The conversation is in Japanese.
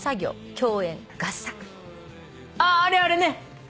ああれあれね。